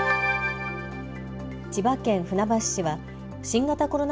千葉県船橋市は新型コロナ